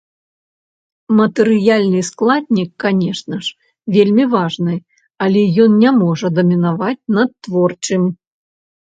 Матэрыяльны складнік, канешне ж, вельмі важны, але ён не можа дамінаваць над творчым.